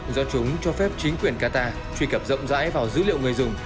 do chúng cho phép chính quyền qatar truy cập rộng rãi vào dữ liệu người dùng